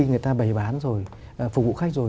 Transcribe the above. người ta bày bán rồi phục vụ khách rồi